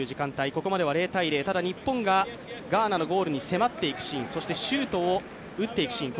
ここまでは０−０ただ、日本がガーナのゴールに迫っていくシーン、そしてシュートを打っていくシーン